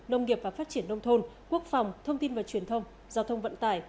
nông nghiệp và phát triển nông thôn quốc phòng thông tin và truyền thông giao thông vận tải